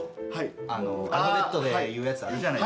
アルファベットで言うやつあるじゃないですか。